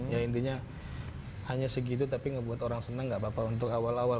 ya intinya hanya segitu tapi ngebuat orang senang gak apa apa untuk awal awal